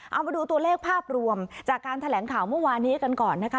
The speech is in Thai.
เอามาดูตัวเลขภาพรวมจากการแถลงข่าวเมื่อวานนี้กันก่อนนะคะ